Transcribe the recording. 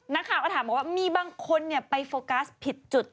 นักข่าวก็ถามบอกว่ามีบางคนไปโฟกัสผิดจุด